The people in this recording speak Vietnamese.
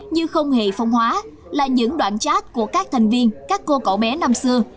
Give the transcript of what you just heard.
như không hề phong hóa là những đoạn chat của các thành viên các cô cậu bé năm xưa